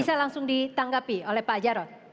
bisa langsung ditanggapi oleh pak jarod